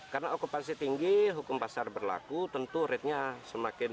karena okupansi tinggi hukum pasar berlaku tentu ratenya semakin